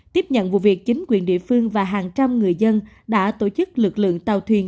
tiếp nhận vụ việc chính quyền địa phương và hàng trăm người dân đã tổ chức lực lượng tàu thuyền